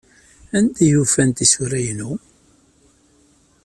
Anda ay ufan tisura-inu?